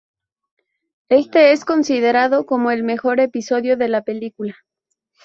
Este es considerado como el mejor episodio de la película.